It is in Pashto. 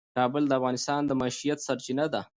کابل د افغانانو د معیشت سرچینه ده.